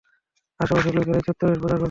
আশে-পাশের লোকেরা এই চত্বরেরই পূজা করত।